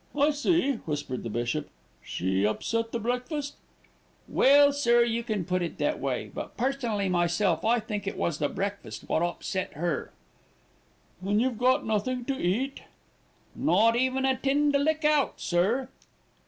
"I see," whispered the bishop, "she upset the breakfast." "Well, sir, you can put it that way; but personally myself, I think it was the breakfast wot upset 'er." "And you've got nothing to eat?" "Not even a tin to lick out, sir."